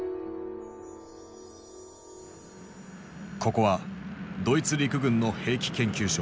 ここはドイツ陸軍の兵器研究所。